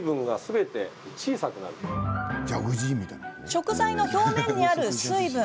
食材の表面にある水分。